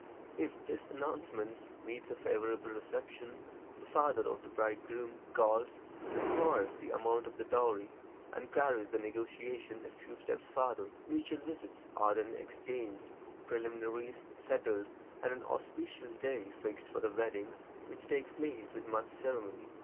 If this announcement meets a favorable reception, the father of the bridegroom calls, inquires the amount of the dowry, and carries the negotiation a few steps farther. Mutual visits are then exchanged, preliminaries settled, and an auspicious day fixed for the wedding, which takes place with much ceremony.